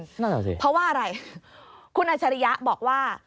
นั่นแหละสิเพราะว่าอะไรคุณอัชริยะบอกว่า